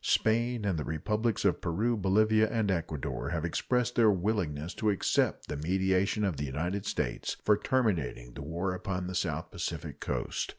Spain and the Republics of Peru, Bolivia, and Ecuador have expressed their willingness to accept the mediation of the United States for terminating the war upon the South Pacific coast.